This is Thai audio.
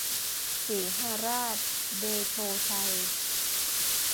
สีหราชเดโชชัย